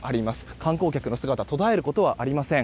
観光客の姿途絶えることはありません。